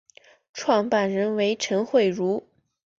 创办人为陈惠如。